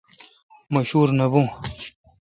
مہ شور نہ بھوں۔